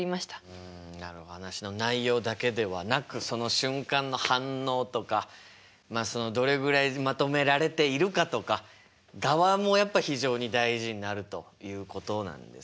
うん話の内容だけではなくその瞬間の反応とかどれぐらいまとめられているかとかガワもやっぱ非常に大事になるということなんですね。